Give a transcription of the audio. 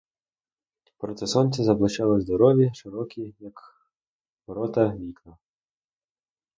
Проти сонця заблищали здорові, широкі, як ворота, вікна.